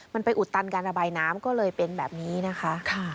มันไปอุดตันการระบายน้ำก็เลยเป็นแบบนี้นะคะ